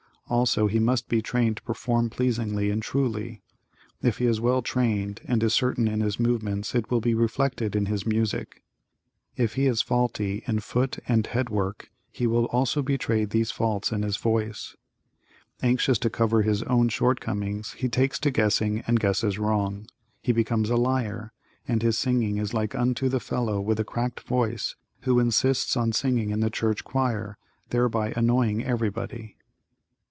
Also he must be trained to perform pleasingly and truly. If he is well trained and is certain in his movements it will be reflected in his music. If he is faulty in foot and head work he will also betray these faults in his voice. Anxious to cover his own shortcomings, he takes to guessing and guesses wrong. He becomes a liar, and his singing is like unto the fellow with a cracked voice who insists on singing in the church choir, thereby annoying everybody.